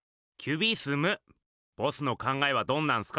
ボスの考えはどんなんすか？